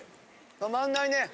止まんないね。